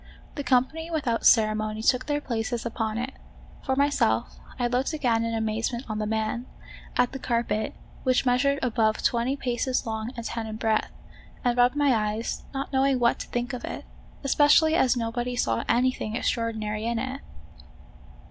The company without ceremony took their places upon it: for myself, I looked again in amaze ment on the man ; at the carpet, which measured above twenty paces long and ten in breadth ; and rubbed my eyes, not knowing what to think of it, especially as nobody saw anything extraor dinary in it.